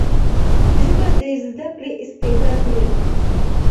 ژبه د زده کړې استعداد لري.